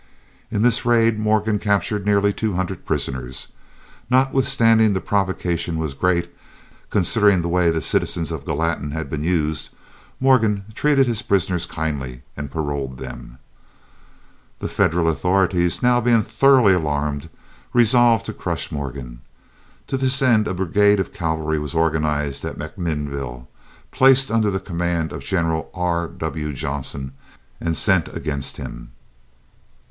In this raid Morgan captured nearly two hundred prisoners. Notwithstanding the provocation was great, considering the way the citizens of Gallatin had been used, Morgan treated his prisoners kindly and paroled them. The Federal authorities, now being thoroughly alarmed, resolved to crush Morgan. To this end a brigade of cavalry was organized at MacMinnville, placed under the command of General R. W. Johnson, and sent against him.